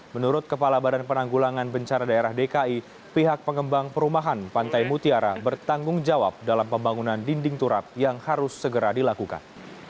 menurut kepala badan penanggulangan bencana daerah dki pihak pengembang perumahan pantai mutiara bertanggung jawab dalam pembangunan dinding turap yang harus segera dilakukan